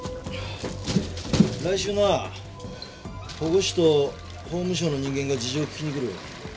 来週なぁ保護司と法務省の人間が事情聞きに来る。